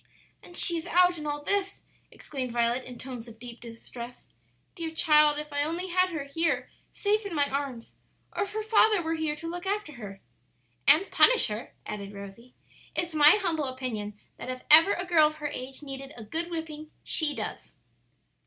"And she is out in all this!" exclaimed Violet in tones of deep distress. "Dear child, if I only had her here safe in my arms, or if her father were here to look after her!" "And punish her," added Rosie. "It's my humble opinion that if ever a girl of her age needed a good whipping, she does."